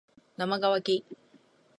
なまがわき